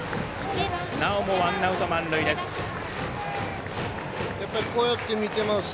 なおもワンアウト、満塁です。